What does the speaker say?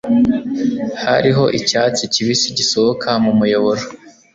Hariho icyatsi kibisi gisohoka mu muyoboro.